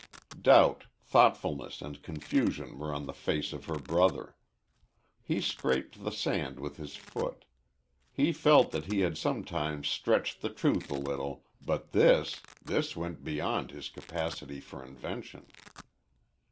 Doubt, thoughtfulness, and confusion were on the face of her brother. He scraped the sand with his foot. He felt that he had sometimes stretched the truth a little, but this this went beyond his capacity for invention.